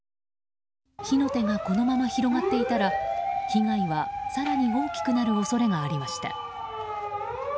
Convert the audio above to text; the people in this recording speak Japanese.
火の手がこのまま広がっていたら被害は更に大きくなる恐れがありました。